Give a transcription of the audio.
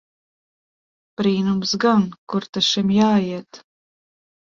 Brīnums gan! Kur ta šim jāiet!